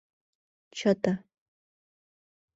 — Чыте.